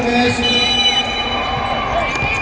สวัสดีครับทุกคน